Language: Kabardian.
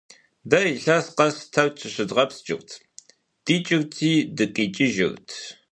Дэ илъэс къэс Тэрч зыщыдгъэпскӀырт, дикӀырти дыкъикӀыжырт.